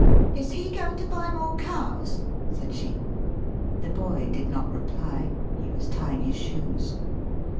" Is he goin' to buy more cows?" said she. The boy did not reply; he was tying his shoes.